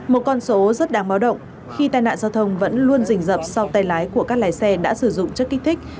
một con số rất đáng báo động khi tai nạn giao thông vẫn luôn rình dập sau tay lái của các lái xe đã sử dụng chất kích thích